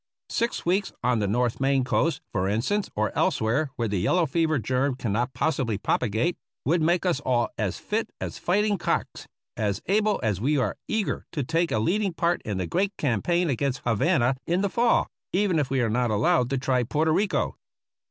Six weeks on the North Maine coast, for instance, or elsewhere where the yellow fever germ cannot possibly propagate, would make us all as fit as fighting cocks, as able as we are eager to take a leading part in the great campaign against Havana in the fall, even if we are not allowed to try Porto Rico.